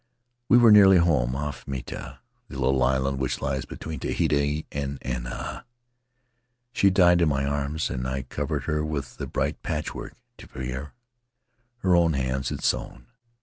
We were nearly home — off Maitea, the little island which lies between Tahiti and Anaa; she died in my arms and I covered her with the bright patchwork tifaefae her own hands had sewn.